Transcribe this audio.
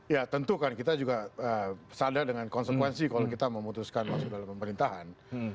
ya tentu kan kita juga sadar dengan konsekuensi kalau kita memutuskan masuk dalam pemerintahan